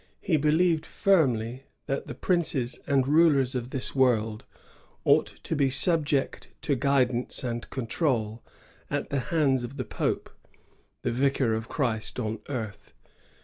He believed firmly that the princes and rulers of this world ought to be subject to guidance and control at the hands of the Pope, the vicar of Christ on earth.